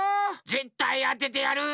ぜったいあててやる！